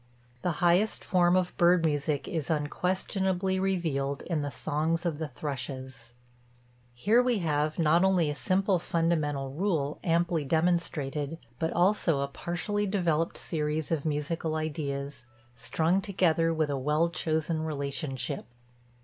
The highest form of bird music is unquestionably revealed in the songs of the thrushes. Here we have not only a simple fundamental rule, amply demonstrated, but also a partially developed series of musical ideas, strung together with a well chosen relationship.